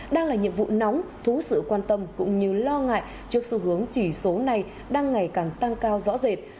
đang là nhiệm vụ nóng thu sự quan tâm cũng như lo ngại trước xu hướng chỉ số này đang ngày càng tăng cao rõ rệt